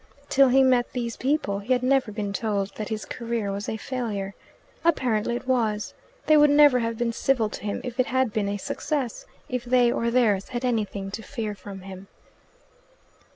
Till he met these people he had never been told that his career was a failure. Apparently it was. They would never have been civil to him if it had been a success, if they or theirs had anything to fear from him.